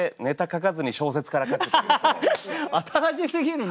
新しすぎるね！